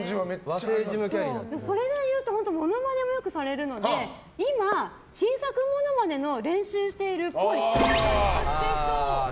ものまねもよくされるので今、新作ものまねの練習をしているっぽい。